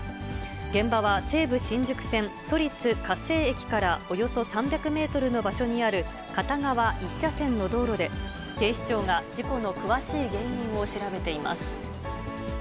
現場は西武新宿線都立家政駅からおよそ３００メートルの場所にある、片側１車線の道路で、警視庁が事故の詳しい原因を調べています。